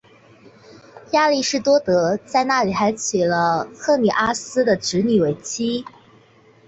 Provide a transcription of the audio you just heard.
亚里士多德在那里还娶了赫米阿斯的侄女为妻。